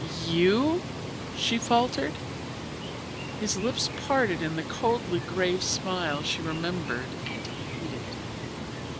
"You?" she faltered. His lips parted in the coldly grave smile she remembered and hated.